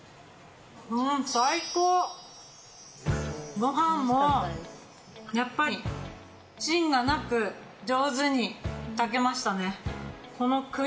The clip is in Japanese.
ご飯もやっぱり芯がなく上手に炊けましたね。